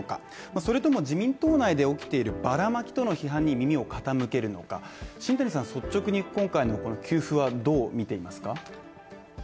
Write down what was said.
それとも自民党内で起きているバラマキとの批判に耳を傾けるのか新谷さん率直に今回のこの給付はどう見ていますか。